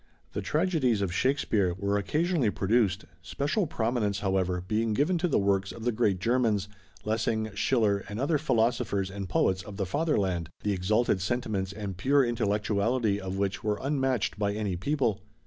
The tragedies of Shakespeare were occasionally produced, special prominence, however, being given to the works of the great Germans, Lessing, Schiller and other philosophers and poets of the Fatherland, the exalted sentiments and pure intellectuality of which are unmatched by any people.